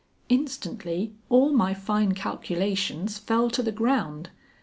Instantly all my fine calculations fell to the ground.